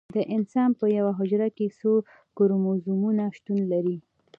د انسان په یوه حجره کې څو کروموزومونه شتون لري